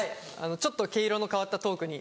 ちょっと毛色の変わったトークに。